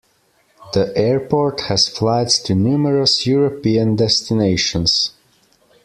The Airport has flights to numerous European destinations.